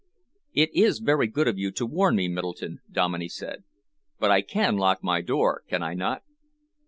"It is very good of you to warn me, Middleton," Dominey said, "but I can lock my door, can I not?"